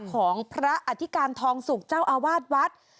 ของพระอธิการทองสุกเจ้าอาวาสวัด